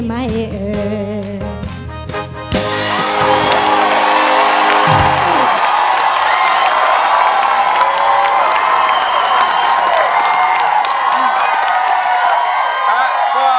คนรักจริงจากใจฉันอยากเจออยากเจอคนจริงใจมีไม่แถวนี้